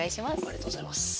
ありがとうございます。